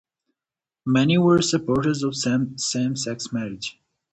Many were supporters of same-sex marriage.